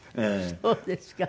そうですか。